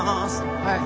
はい。